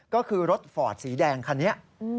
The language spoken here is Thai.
ก็คือรถฟอร์ดสีแดงคันนี้